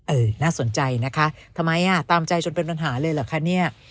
น่าสนใจนะคะทำไมอ่ะตามใจจนเป็นปัญหาเลยเหรอคะเนี่ย